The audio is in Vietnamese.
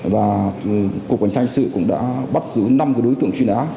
và cục cảnh sát hình sự cũng đã bắt giữ năm đối tượng